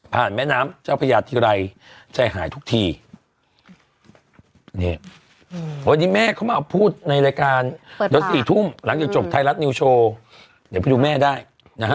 แม่น้ำเจ้าพญาทีไรใจหายทุกทีนี่วันนี้แม่เขามาเอาพูดในรายการเดี๋ยวสี่ทุ่มหลังจากจบไทยรัฐนิวโชว์เดี๋ยวไปดูแม่ได้นะฮะ